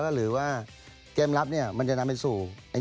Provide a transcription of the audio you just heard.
หรือว่าเกมลับมันจะนำไปสู่